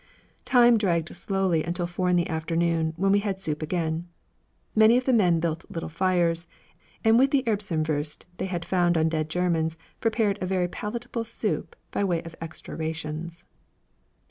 Time dragged slowly until four in the afternoon, when we had soup again. Many of the men built little fires, and with the Erbsenwurst they had found on dead Germans prepared a very palatable soup by way of extra rations.